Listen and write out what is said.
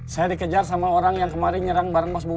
saya dikejar sama orang yang kemarin nyerang bareng mas budi